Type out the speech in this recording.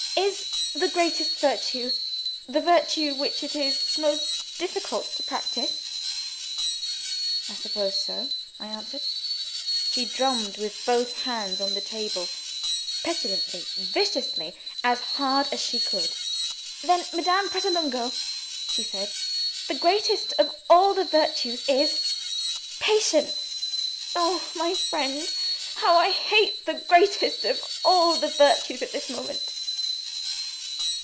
"Is the greatest virtue, the virtue which it is most difficult to practice?" "I suppose so," I answered. She drummed with both hands on the table, petulantly, viciously, as hard as she could. "Then, Madame Pratolungo," she said, "the greatest of all the virtues is Patience. Oh, my friend, how I hate the greatest of all the virtues at this moment!"